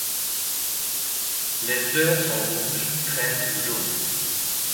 Les fleurs sont rouges, crème ou jaune.